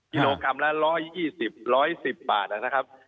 กิโลกรัมละ๑๒๐๑๑๐บาทนะครับ